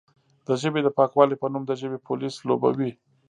د ژبې د پاکوالې په نوم د ژبې پولیس لوبوي،